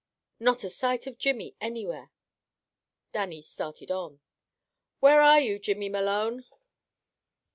Not a sight of Jimmy anywhere! Dannie started on. "We are after you, Jimmy Malone!"